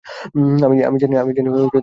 আমি জানি তুমি কী ভাবছো।